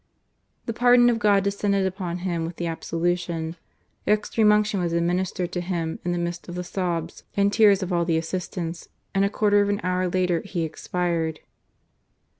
The pardon of God descended upon him with the absolution; Extreme Unction was administered to him in the midst of the sobs and tears of all the assistants, and a quarter of an hour later he expired.